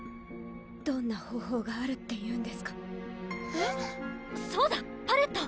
どんな方法があるっていうんですかえっそうだパレット！